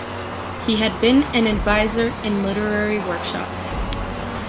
He has been advisor in literary workshops.